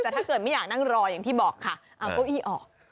แต่ถ้าเกิดไม่อยากนั่งรออย่างที่บอกค่ะเอาเก้าอี้ออก